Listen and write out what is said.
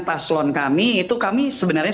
paslon kami itu kami sebenarnya